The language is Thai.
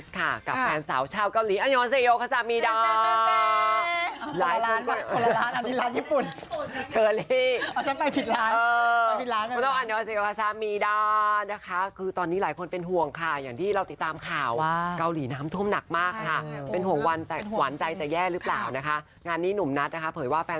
แต่ที่ก็เป็นสิทธิที่ต้องหาข้อมูลเรารีบในขั้นต่อไปนะคะ